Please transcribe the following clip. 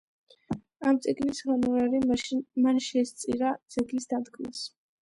ამ წიგნის ჰონორარი მან შესწირა ძეგლის დადგმას.